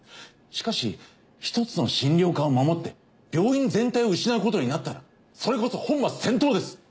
しかし１つの診療科を守って病院全体を失うことになったらそれこそ本末転倒です。